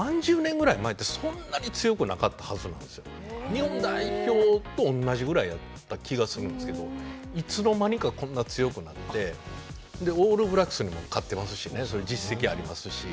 日本代表と同じぐらいやった気がするんですけどいつの間にかこんな強くなってオールブラックスにも勝ってますしねそういう実績ありますし。